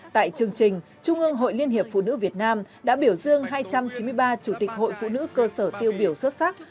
tại chương trình trung ương hội liên hiệp phụ nữ việt nam đã biểu dương hai trăm chín mươi ba chủ tịch hội phụ nữ cơ sở tiêu biểu xuất sắc